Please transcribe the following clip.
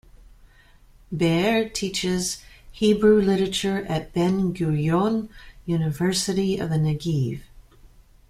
Be'er teaches Hebrew literature at Ben-Gurion University of the Negev.